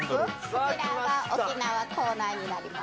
こちらが沖縄コーナーになります。